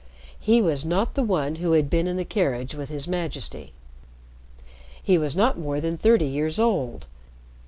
He was not the one who had been in the carriage with His Majesty. He was not more than thirty years old.